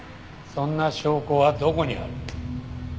そんな証拠はどこにある？